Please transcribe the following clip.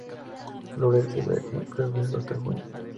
Florece de febrero hasta junio.